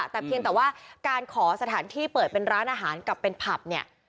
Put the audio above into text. แต่เพียงแต่ว่าการขอสถานที่เปิดเป็นร้านอาหารกับเป็นผับเนี่ย